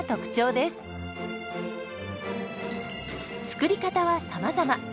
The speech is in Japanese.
作り方はさまざま。